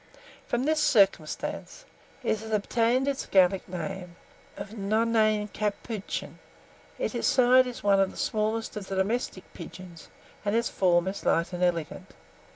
From this circumstance, it has obtained its Gallic name of nonnain capuchin. In size it is one of the smallest of the domestic pigeons, and its form is light and elegant.